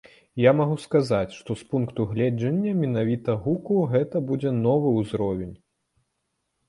Я магу сказаць, што з пункту гледжання менавіта гуку гэта будзе новы ўзровень.